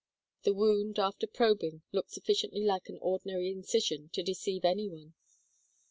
The wound after probing looked sufficiently like an ordinary incision to deceive any one.